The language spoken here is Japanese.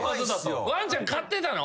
ワンちゃん飼ってたの？